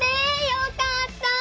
よかった！